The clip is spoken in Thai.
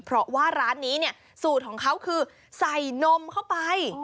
เพราะว่าร้านนี้เนี่ยสูตรของเขาคือใส่นมเข้าไป